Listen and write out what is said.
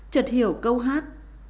trật hiểu câu hát